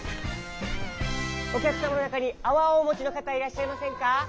おきゃくさまのなかにあわをおもちのかたいらっしゃいませんか？